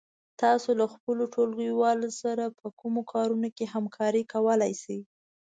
تاسو له خپلو ټولگيوالو سره په کومو کارونو کې همکاري کولای شئ؟